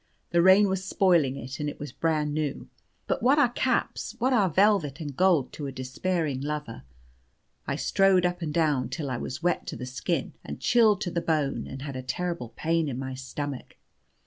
The rain was spoiling it, and it was brand new. But what are caps, what are velvet and gold, to a despairing lover? I strode up and down till I was wet to the skin and chilled to the bone, and had a terrible pain in my stomach.